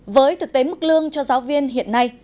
với thực tế mức lương cho giáo viên hiện nay